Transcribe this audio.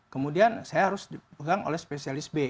kemudian saya harus dipegang oleh spesialis b